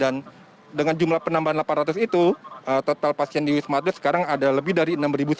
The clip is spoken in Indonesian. dan dengan jumlah penambahan delapan ratus itu total pasien di wisma atlet sekarang ada lebih dari enam